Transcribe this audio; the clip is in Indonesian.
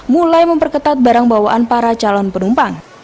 mulai memperketat barang bawaan para calon penumpang